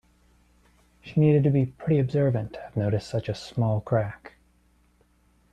She needed to be pretty observant to have noticed such a small crack.